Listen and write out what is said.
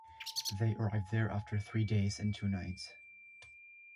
They arrived there after three days and two nights.